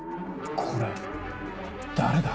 これ誰だ？